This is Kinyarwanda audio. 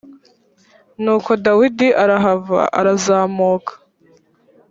nuko dawidi arahava arazamuka